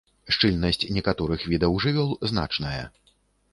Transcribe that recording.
Шчыльнасць некаторых відаў жывёл значная.